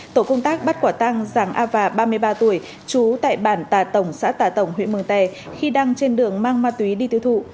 tổ công tác bắt quả tăng giàng a và ba mươi ba tuổi trú tại bản tà tổng xã tà tổng huyện mừng tè khi đang trên đường mang ma túy đi tiêu thụ